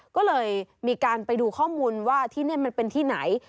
ก็เลยมีการไปดูข้อมูลว่าที่นี่มันเป็นที่ไหน